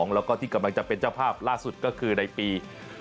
แล้วก็ที่กำลังจะเป็นเจ้าภาพล่าสุดก็คือในปี๒๕๖